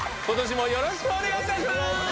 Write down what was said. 今年もよろしくお願いいたします！